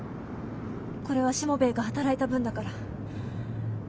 これはしもべえが働いた分だから。